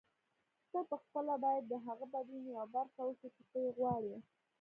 ته پخپله باید د هغه بدلون یوه برخه اوسې چې ته یې غواړې.